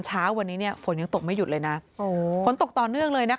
เช้าวันนี้เนี่ยฝนยังตกไม่หยุดเลยนะฝนตกต่อเนื่องเลยนะคะ